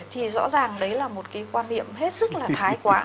thì rõ ràng đấy là một quan điểm hết sức thái quản